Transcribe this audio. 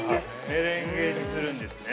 メレンゲにするんですね